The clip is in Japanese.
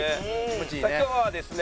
さあ今日はですね